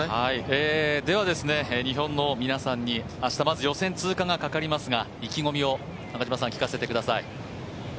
日本の皆さんに明日、予選通過がかかりますが意気込みを聞かせてください。